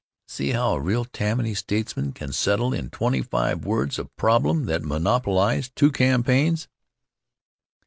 See how a real Tammany statesman can settle in twenty five words a problem that monopolized two campaigns!